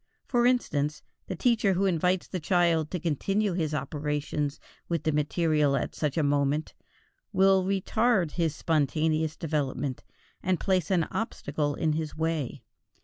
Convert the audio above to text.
For instance, the teacher who invites the child to continue his operations with the material at such a moment, will retard his spontaneous development and place an obstacle in his way.